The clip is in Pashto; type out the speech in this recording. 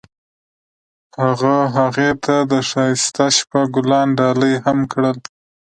هغه هغې ته د ښایسته شپه ګلان ډالۍ هم کړل.